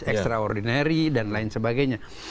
extraordinary dan lain sebagainya